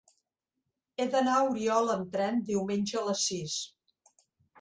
He d'anar a Oriola amb tren diumenge a les sis.